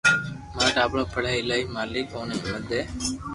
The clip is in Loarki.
مارو ٽاٻر پڙي ايلائي ھي مالڪ اوني ھمت ديئي